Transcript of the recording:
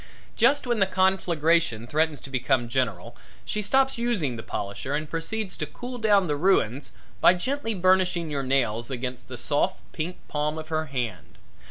Just when the conflagration threatens to become general she stops using the polisher and proceeds to cool down the ruins by gently burnishing your nails against the soft, pink palm of her hand.